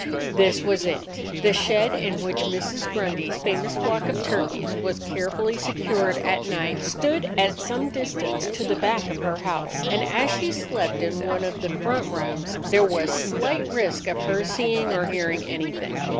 This was it: the shed in which Mrs. Grundy's famous flock of turkeys was carefully secured at night stood at some distance to the back of her house, and as she slept in one of the front rooms, there was slight risk of her seeing or hearing anything.